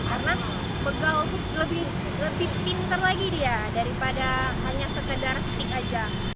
karena begal itu lebih pinter lagi dia daripada hanya sekedar stick aja